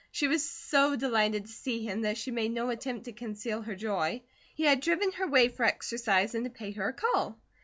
She was so delighted to see him that she made no attempt to conceal her joy. He had driven her way for exercise and to pay her a call.